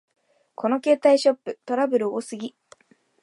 この携帯ショップ、トラブル多すぎ